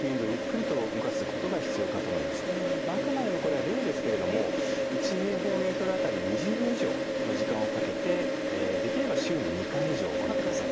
あくまでもこれは例ですけれども１平方メートル当たり２０秒以上の時間をかけてできれば週に２回以上行ってください。